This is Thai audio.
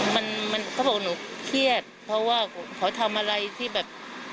มันมันเขาบอกหนูเครียดเพราะว่าเขาทำอะไรที่แบบ